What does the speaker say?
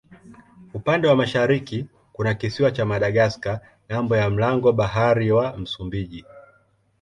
Upande wa mashariki kuna kisiwa cha Madagaska ng'ambo ya mlango bahari wa Msumbiji.